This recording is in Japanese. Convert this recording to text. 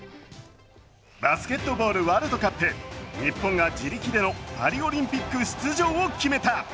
バスケットボールワールドカップ、日本が自力でのパリオリンピック出場を決めた。